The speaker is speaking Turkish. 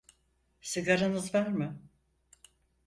Sigaranız var mı?